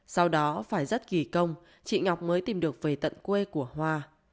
sau đó phải rất kỳ công chị ngọc mới tìm được về tận quê của hoa